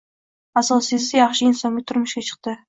Asosiysi, yaxshi insonga turmushga chiqdi